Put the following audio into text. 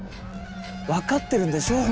分かってるんでしょう？